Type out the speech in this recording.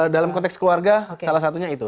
dalam konteks keluarga salah satunya itu